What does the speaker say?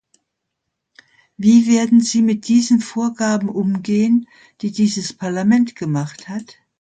Wie werden Sie mit diesen Vorgaben umgehen, die dieses Parlament gemacht hat?